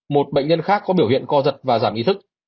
một bệnh nhân khác có biểu hiện co giật và giảm ý thức